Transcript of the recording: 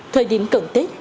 thời điểm cận tích